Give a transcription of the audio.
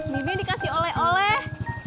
bibi dikasih oleh oleh